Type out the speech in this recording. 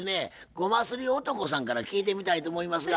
ゴマすり男さんから聞いてみたいと思いますが。